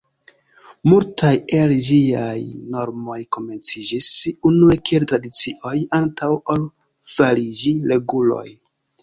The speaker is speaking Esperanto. Multaj el ĝiaj normoj komenciĝis unue kiel tradicioj antaŭ ol fariĝi reguloj.